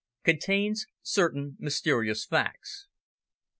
CONTAINS CERTAIN MYSTERIOUS FACTS.